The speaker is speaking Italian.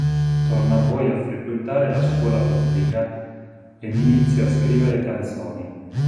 Torna poi a frequentare la scuola pubblica ed inizia a scrivere canzoni.